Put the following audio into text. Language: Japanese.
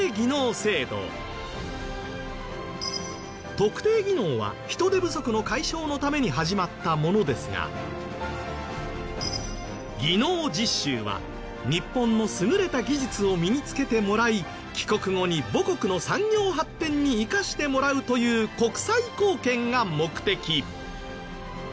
特定技能は人手不足の解消のために始まったものですが技能実習は日本の優れた技術を身につけてもらい帰国後に母国の産業発展に生かしてもらうという国際貢献が目的。